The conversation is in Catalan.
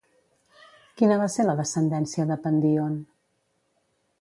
Quina va ser la descendència de Pandíon?